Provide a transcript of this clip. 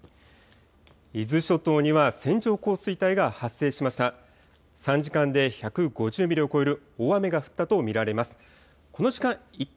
伊豆諸島には線状降水帯が発生しました。